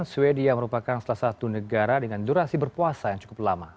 sweden merupakan salah satu negara dengan durasi berpuasa yang cukup lama